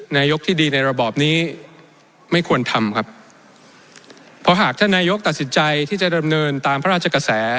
นายกที่ดีในระบอบนี้ไม่ควรทำครับเพราะหากท่านนายกตัดสินใจที่จะดำเนินตามพระราชกระแส